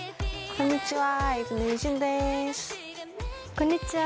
こんにちは。